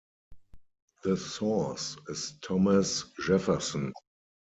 The source is Thomas Jefferson.